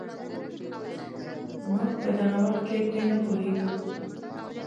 موږ په دغه وخت کې پرې نه پوهېدو.